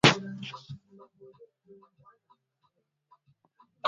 Raisi wa inchi ana letaka salama mu jamuri yake